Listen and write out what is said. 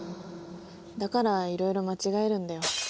だからいろいろ間違えるんだよ。